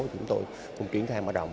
chúng tôi cũng chuyển tham hoạt động